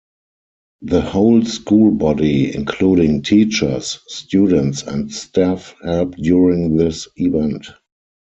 The whole school body, including teachers, students, and staff, help during this event.